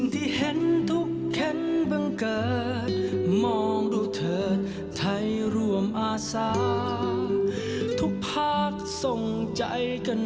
ที่จะฟื้นฟูให้กลับสู่สภาพปกติครับ